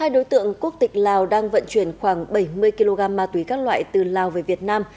hai đối tượng quốc tịch lào đang vận chuyển khoảng bảy mươi kg ma túy các loại từ lào về việt nam